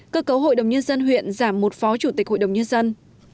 cơ cấu hội đồng nhân dân huyện giảm một phó chủ tịch hội đồng nhân dân